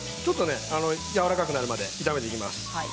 やわらかくなるまで炒めていきます。